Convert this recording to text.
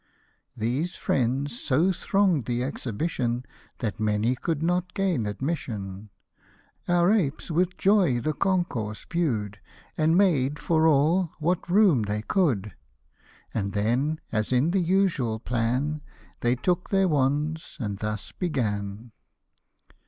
These friends so throng'd the exhibition, That many could not gain admission. Our apes with joy the concourse view'd, And made for all what room they could ; And then, as is the usual plan, They took their wands, and thus began.